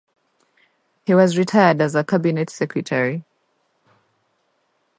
He was retired as a cabinet secretary.